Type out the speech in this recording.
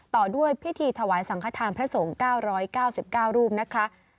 ต่อด้วยพิธีถวายสังขทานพระสงฆ์๙๙๙รูปนะคะ